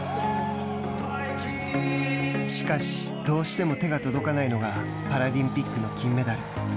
しかし、どうしても手が届かないのがパラリンピックの金メダル。